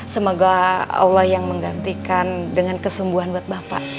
semoga allah yang menggantikan dengan kesembuhan buat bapak